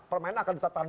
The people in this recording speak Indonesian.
permainan akan disatukan